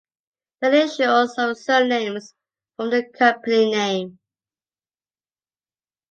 The initials of their surnames form the company name.